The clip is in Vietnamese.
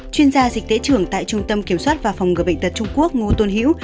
chuyên gia dịch tễ trưởng tại trung tâm kiểm soát và phòng ngừa bệnh tật trung quốc ngô tuân hữu